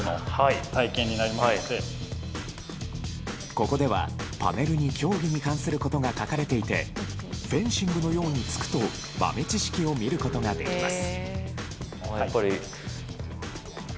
ここでは、パネルに競技に関することが書かれていてフェンシングのように突くと豆知識を見ることができます。